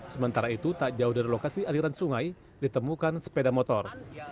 sementara itu tak jauh dari lokasi aliran sungai ditemukan sepeda motor